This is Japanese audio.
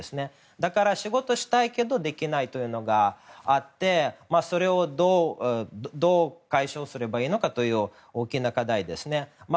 だから、仕事をしたいけどできないというのがあってそれをどう解消すればいいのかという大きな課題ですね。